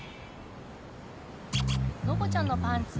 「のぼちゃんのパンツ